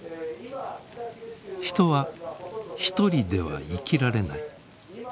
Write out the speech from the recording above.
人は一人では生きられない。